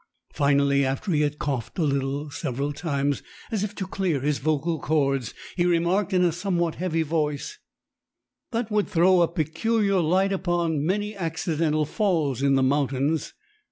Finally, after he had coughed a little several times, as if to clear his vocal cords, he remarked in a somewhat heavy voice: "That would throw a peculiar light upon many accidental falls in the mountains.